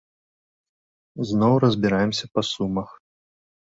Зноў разбіраемся па сумах.